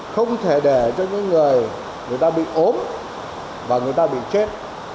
không thể để cho những người người ta bị ốm và người ta bị chết